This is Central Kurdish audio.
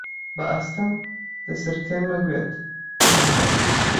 بەئاستەم دەسرتێنمە گوێت: